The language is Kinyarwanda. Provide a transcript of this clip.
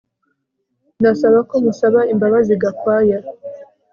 Ndasaba ko musaba imbabazi Gakwaya